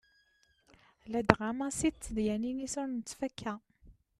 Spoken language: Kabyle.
Ladɣa Massi d tedyanin-is ur nettfakka.